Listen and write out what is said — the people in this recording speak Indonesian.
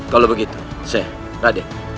kalau begitu syekh raden